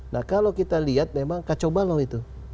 nah kalau kita lihat memang kacau balau itu